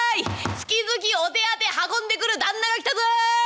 月々お手当運んでくる旦那が来たぞい！